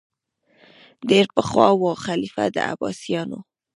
ډېر پخوا وو خلیفه د عباسیانو